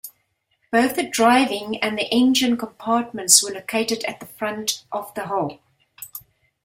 Both the driving and engine compartments were located at the front of the hull.